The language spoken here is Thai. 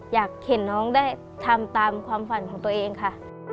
อยากเห็นน้องได้ทำตามความฝันของตัวเองค่ะ